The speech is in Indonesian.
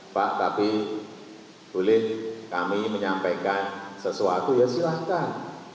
pak tapi boleh kami menyampaikan sesuatu ya silahkan